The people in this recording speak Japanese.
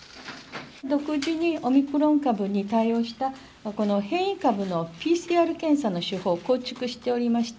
独自にオミクロン株に対応したこの変異株のＰＣＲ検査の手法を構築しておりまして。